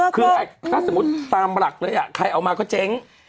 คือถ้าสมมุติตามหลักเลยใครเอามาก็เจ๊ง